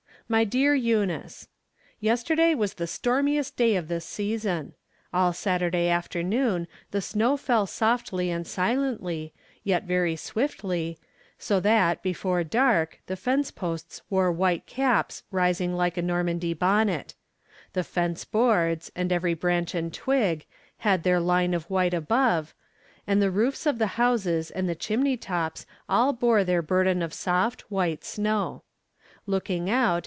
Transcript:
My Dear Eunice : Yesterday was the stormiest day of this season. All Saturday afternoon the snow fell softly and sUently, yet very swiftly, so that, before dark, the fence posts wore white caps rising like a Nor mandy bonnet; the fence boards, and every branch and twig, had their line of white above, and the roofe of the houses and the chimney tops aU bore their burden of soft, white snow. Look ing out.